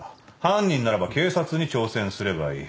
犯人ならば警察に挑戦すればいい。